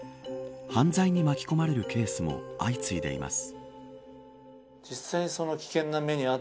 犯罪に巻き込まれるケースも相次いでいます。